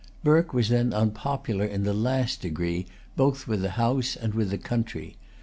Burke was then unpopular in the last degree both with the House and with the country.